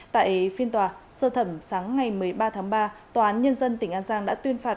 tại phiên tòa sơ thẩm sáng ngày một mươi ba tháng ba tòa án nhân dân tỉnh an giang đã tuyên phạt